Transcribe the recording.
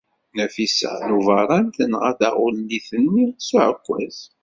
Nafisa n Ubeṛṛan tenɣa taɣulit-nni s uɛekkaz.